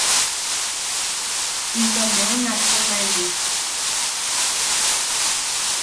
Into neu nattemaene.